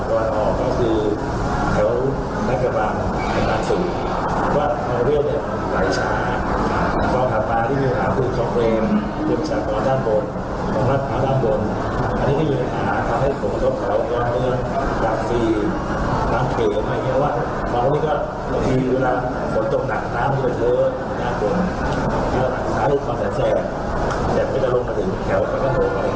พอตอนนี้ก็บางทีเวลาส่วนชงหนักน้ำที่เป็นเลื้อ